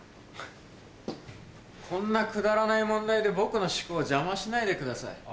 こんなくだらない問題で僕の思考を邪魔しないでください。